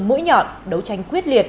mũi nhọn đấu tranh quyết liệt